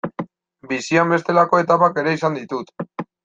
Bizian bestelako etapak ere izan ditut.